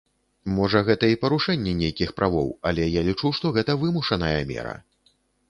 Можа, гэта і парушэнне нейкіх правоў, але я лічу, што гэта вымушаная мера.